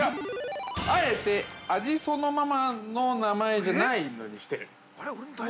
◆あえて、味そのままの名前じゃないのにしてる。